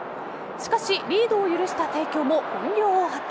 しかし、リードを許した帝京も本領を発揮。